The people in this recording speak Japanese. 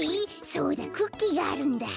そうだクッキーがあるんだ。